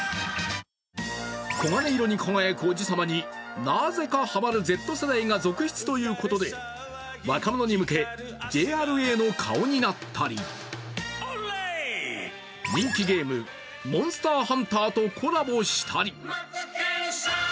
黄金色に輝くおじさまになぜかハマるＺ世代が続出ということで若者向け、ＪＲＡの顔になったり人気ゲーム「モンスターハンター」とコラボしたり。